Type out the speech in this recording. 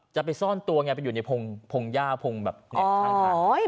จะไปซ่อนตัวไงไปอยู่ในพงหญ้าพงแบบนี้ข้างทาง